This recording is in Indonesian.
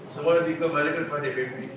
semua yang dikembalikan oleh dpp